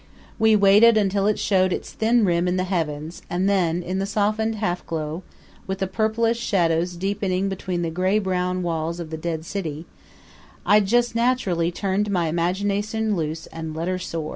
We waited until it showed its thin rim in the heavens, and then, in the softened half glow, with the purplish shadows deepening between the brown gray walls of the dead city, I just naturally turned my imagination loose and let her soar.